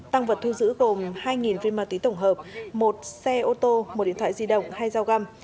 tăng vật thu giữ gồm hai viên ma túy tổng hợp một xe ô tô một điện thoại di động hai dao găm